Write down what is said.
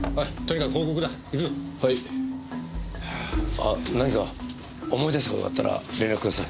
あっ何か思い出した事があったら連絡ください。